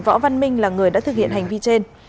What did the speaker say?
võ văn minh là người đã thực hiện hành vi trên